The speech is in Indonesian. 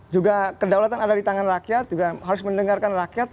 juga kedaulatan ada di tangan rakyat juga harus mendengarkan rakyat